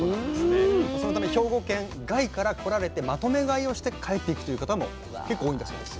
そのため兵庫県外から来られてまとめ買いをして帰っていくという方も結構多いんだそうです。